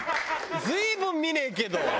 随分見ねえけど。